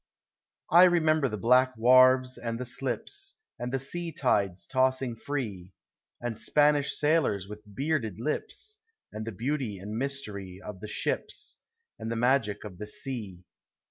'' 1 remember the black wharves and the slips. And the sea tides tossing free; And Spanish sailors with bearded lips. And the beauty and mystery of the ships, And the magic of the sea.